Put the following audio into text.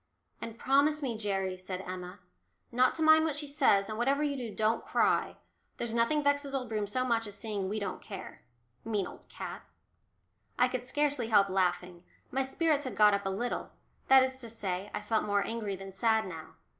And "Promise me, Gerry," said Emma, "not to mind what she says, and whatever you do, don't cry. There's nothing vexes old Broom so much as seeing we don't care mean old cat." I could scarcely help laughing, my spirits had got up a little that is to say, I felt more angry than sad now.